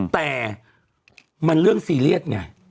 แต่มันเรื่องซีเรียสไง